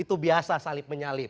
itu biasa salib menyalib